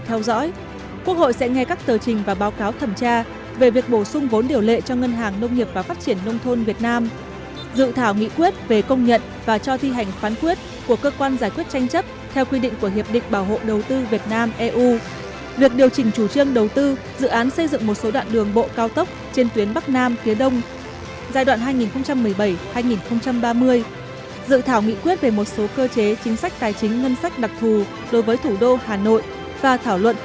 theo dõi quốc hội sẽ nghe các tờ trình và báo cáo thẩm tra về việc bổ sung vốn điều lệ cho ngân hàng nông nghiệp và phát triển nông thôn việt nam dự thảo nghị quyết về công nhận và cho thi hành phán quyết của cơ quan giải quyết tranh chấp theo quy định của hiệp định bảo hộ đầu tư việt nam eu việc điều chỉnh chủ trương đầu tư dự án xây dựng một số đoạn đường bộ cao tốc trên tuyến bắc nam phía đông giai đoạn hai nghìn một mươi bảy hai nghìn ba mươi dự thảo nghị quyết về một số cơ chế chính sách tài chính ngân sách đặc thù đối với thủ đô hà nội và thảo luận về các nội d